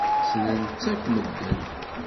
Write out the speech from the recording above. Ssnen-tt akk medden.